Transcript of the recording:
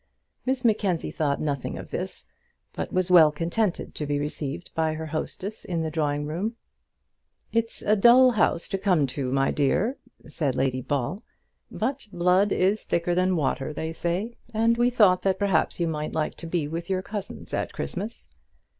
Miss Mackenzie thought nothing of this, but was well contented to be received by her hostess in the drawing room. "It's a dull house to come to, my dear," said Lady Ball; "but blood is thicker than water, they say, and we thought that perhaps you might like to be with your cousins at Christmas."